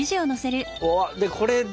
でこれで。